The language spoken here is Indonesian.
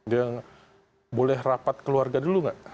dia boleh rapat keluarga dulu tidak